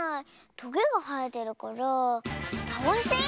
トゲがはえてるからたわし？